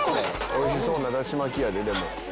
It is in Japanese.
おいしそうなだし巻きやででも。